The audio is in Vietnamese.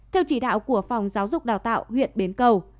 theo chỉ đạo của phòng giáo dục đào tạo huyện bến cầu